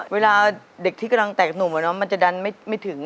เวลาเด็กที่กำลังแตกหนุ่มมันจะดันไม่ถึง